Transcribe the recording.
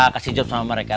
kasih jawab sama mereka